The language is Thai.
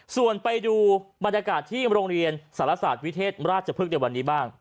ส่วนไปดูบรรยากาศที่โรงเรียนสารศาสตร์วิเทศราชพฤกษ์ในวันนี้บ้าง